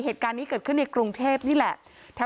เหตุการณ์นี้เกิดขึ้นในกรุงเทพนี่แหละ